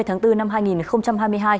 ba mươi tháng bốn năm hai nghìn hai mươi hai